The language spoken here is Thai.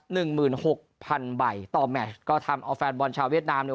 ๑หมื่น๖๐๐๐ใบต่อแมทก็ทำเอาแฟนบอนชาวเวียดนามเนี่ย